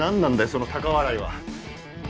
その高笑いは。